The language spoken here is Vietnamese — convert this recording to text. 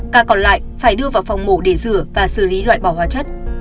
ca còn lại phải đưa vào phòng mổ để rửa và xử lý loại bỏ hóa chất